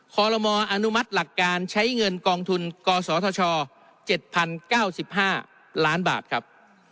ขอรมออนุมัติหลักการใช้เงินกองทุนกศธชเจ็ดพันเก้าสิบห้าล้านบาทครับ